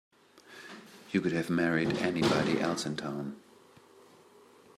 You could have married anybody else in town.